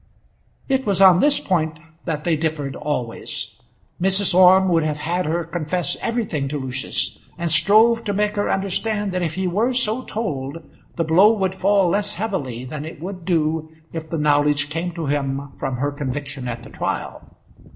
It was on this point that they differed always. Mrs. Orme would have had her confess everything to Lucius, and strove to make her understand that if he were so told, the blow would fall less heavily than it would do if the knowledge came to him from her conviction at the trial.